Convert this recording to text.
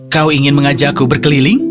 kau ingin mengajakku berkeliling